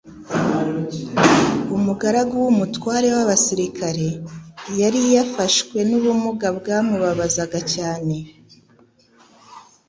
Umugaragu w'umutware w'abasirikare, yari yafashwe n'ubumuga bwamubabazaga cyane.